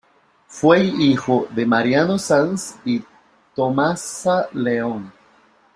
Fue hijo de Mariano Sanz y Tomasa León.